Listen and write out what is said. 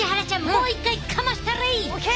もう一回かましたれ！ＯＫ！